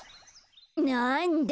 なんだ。